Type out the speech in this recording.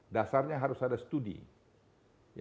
dasarnya harus ada studi